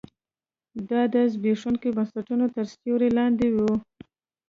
دا د زبېښونکو بنسټونو تر سیوري لاندې و.